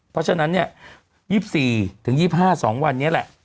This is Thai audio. เพราะฉะนั้น๒๔๒๕สองวันนี้แหละ